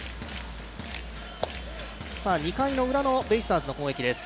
２回ウラのベイスターズの攻撃です